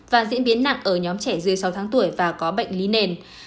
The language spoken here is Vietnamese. và diễn biến nặng ở nhóm trẻ dưới sáu tháng tuổi và có bệnh lý nền